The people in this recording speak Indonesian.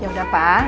ya udah pak